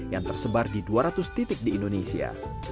yang tersebar di dua ratus titik di indonesia